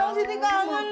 ini gue sudirin yang asli